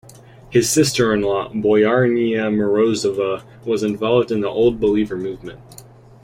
His sister-in-law, Boyarynya Morozova, was involved in the Old Believer movement.